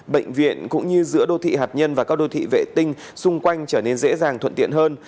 bệnh viện cũng như giữa đô thị hạt nhân và các đô thị vệ tinh xung quanh trở nên dễ dàng thuận tiện hơn